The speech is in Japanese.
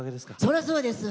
それはそうです。